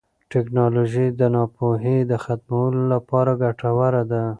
ټیکنالوژي د ناپوهۍ د ختمولو لپاره ګټوره ده.